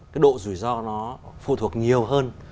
cái độ rủi ro nó phụ thuộc nhiều hơn